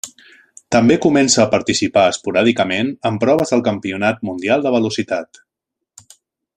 També començà a participar esporàdicament en proves del Campionat Mundial de velocitat.